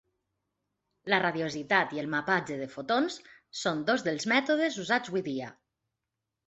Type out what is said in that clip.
La radiositat i el mapatge de fotons són dos dels mètodes usats avui dia.